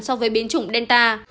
so với biến chủng delta